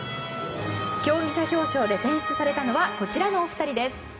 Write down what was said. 競技者表彰で選出されたのはこちらのお二人です。